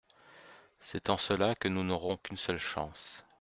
C’est en cela que nous n’aurons qu’une seule chance.